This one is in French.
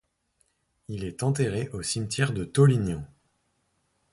Il est enterré au cimetière de Taulignan.